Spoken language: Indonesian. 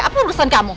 apa urusan kamu